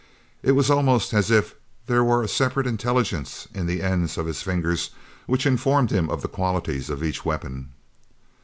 It was almost as if there were a separate intelligence in the ends of his fingers which informed him of the qualities of each weapon.